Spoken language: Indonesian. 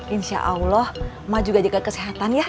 insya allah ma juga jaga kesehatan ya